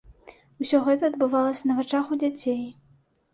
Усё гэта адбывалася на вачах у дзяцей.